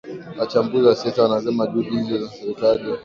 wachambuzi wa siasa wanasema juhudi hizo za serikali